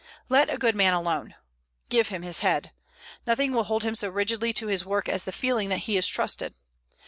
Let a good man alone. Give him his head. Nothing will hold him so rigidly to his work as the feeling that he is trusted.